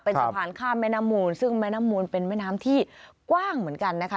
เป็นสะพานข้ามแม่น้ำมูลซึ่งแม่น้ำมูลเป็นแม่น้ำที่กว้างเหมือนกันนะคะ